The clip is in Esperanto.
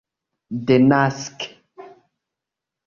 denaske